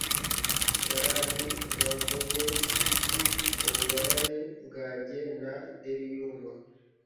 barabi! bavunye ububabare bwanjye na delirium